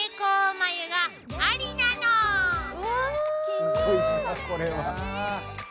すごいなこれは。